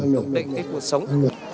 tổn định cái cuộc sống